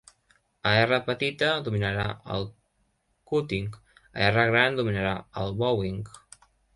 A r petita, dominarà el cutting, a r gran, dominarà el bowing.